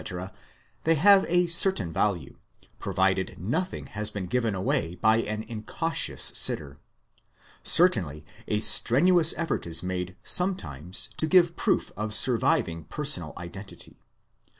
they have a certain value, provided nothing has been given away by an incautious sitter. Certainly a strenuous effort is made sometimes to give proof of surviving personal identity.